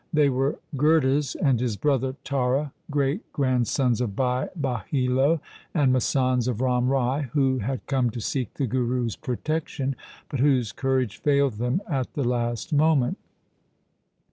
They were Gurdas and his brother Tara, great grand sons of Bhai Bahilo and masands of Ram Rai, who had come to seek the Guru's protection, but whose courage failed them at the last moment.